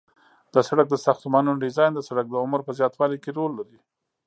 د سرک د ساختمانونو ډیزاین د سرک د عمر په زیاتوالي کې رول لري